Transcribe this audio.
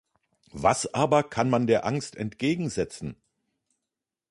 Was aber kann man der Angst entgegensetzen?